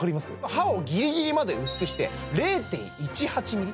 刃をギリギリまで薄くして０．１８ｍｍ